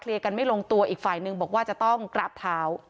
กันไม่ลงตัวอีกฝ่ายหนึ่งบอกว่าจะต้องกราบเท้า